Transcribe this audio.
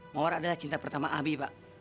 mawar adalah cinta pertama abi pak